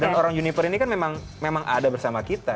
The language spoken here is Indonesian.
dan orang juniper ini kan memang ada bersama kita